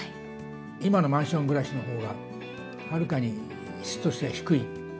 今のマンション暮らしのほうがはるかに質としては低い。